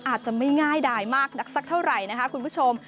อาจจะไม่ง่ายดายมากนักสักเท่าไหร่นะคะคุณผู้ชม